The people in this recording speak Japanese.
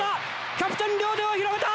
キャプテン両手を広げた！